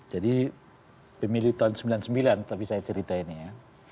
jadi pemilih tahun seribu sembilan ratus sembilan puluh sembilan tapi saya cerita ini ya